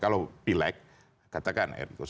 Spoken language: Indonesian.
kalau pilek katakan